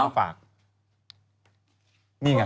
มีคนฝากขนมให้ค่ะ